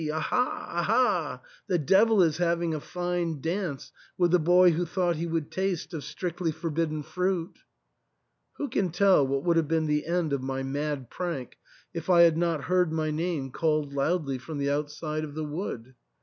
Aha ! Aha ! The devil is having a fine dance with the boy who thought he would taste of strictly for bidden fruit !" Who can tell what would have been the end of my mad prank if I had not heard my name called loudly from the outside of the wood